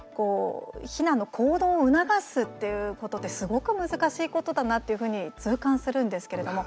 避難の行動を促すっていうことって、すごく難しいことだなっていうふうに痛感するんですけれども。